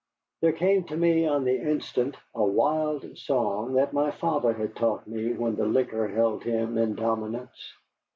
There came to me on the instant a wild song that my father had taught me when the liquor held him in dominance.